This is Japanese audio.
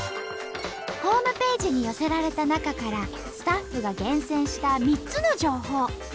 ホームページに寄せられた中からスタッフが厳選した３つの情報。